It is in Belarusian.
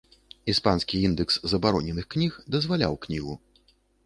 Іспанскі індэкс забароненых кніг дазваляў кнігу.